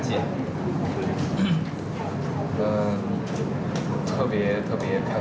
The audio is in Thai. มีความสัยมีความสัย